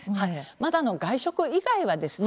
まだ外食以外はですね